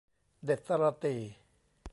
เด็ดสะระตี่